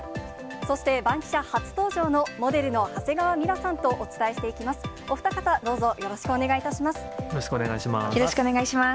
そしてバンキシャ初登場のモデルの長谷川ミラさんとお伝えしていきます。